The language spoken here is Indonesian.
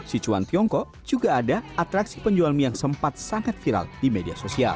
sicuan tiongkob juga ada atraksi penjual mie yang sempat sangat viral di media sosial